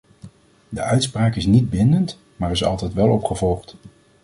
De uitspraak is niet bindend, maar is altijd wel opgevolgd.